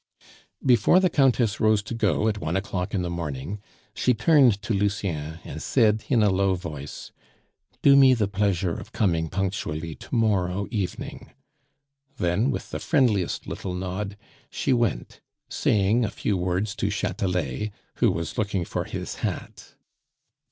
Before the Countess rose to go at one o'clock in the morning, she turned to Lucien and said in a low voice, "Do me the pleasure of coming punctually to morrow evening." Then, with the friendliest little nod, she went, saying a few words to Chatelet, who was looking for his hat.